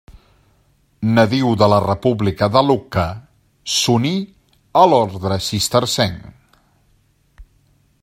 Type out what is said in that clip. Nadiu de la república de Lucca, s'uní a l'orde cistercenc.